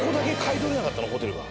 ホテルが。